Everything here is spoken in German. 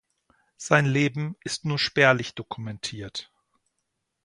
Sein Leben ist nur spärlich dokumentiert.